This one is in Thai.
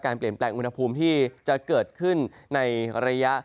เปลี่ยนแปลงอุณหภูมิที่จะเกิดขึ้นในระยะ